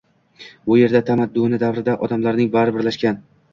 Bu yerning tamadduni davrida odamlarning bari birlashgan